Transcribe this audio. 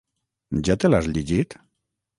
Ja te l'has llegit?